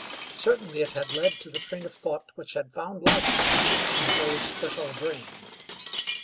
Certainly it had led to the train of thought which had found lodgment in Joe's fertile brain.